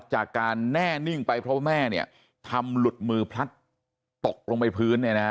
จากการแน่นิ่งไปเพราะว่าแม่ทำหลุดมือพลัดตกลงไปพื้น